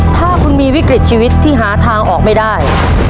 ถ้าคุณมีวิกฤตชีวิตที่หาทางออกไม่ได้